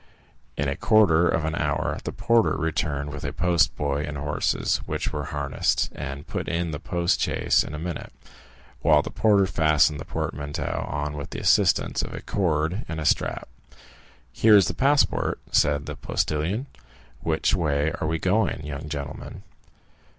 In a quarter of an hour the porter returned with a post boy and horses, which were harnessed, and put in the post chaise in a minute, while the porter fastened the portmanteau on with the assistance of a cord and strap. "Here is the passport," said the postilion, "which way are we going, young gentleman?"